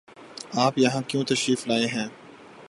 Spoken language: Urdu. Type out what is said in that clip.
آپ یہاں کیوں تشریف لائے ہیں؟